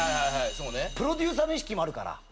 プロデューサーの意識もあるから。